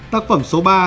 tác phẩm số ba